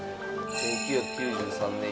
１９９３年。